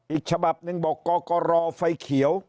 อีกฉบับหนึ่งบอกกกรไฟเขียว